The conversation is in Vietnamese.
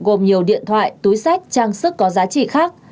gồm nhiều điện thoại túi sách trang sức có giá trị khác